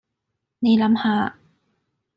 你諗下